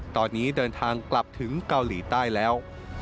ตอนนี้เดินทางกลับถึงเกาหลีใต้แล้ว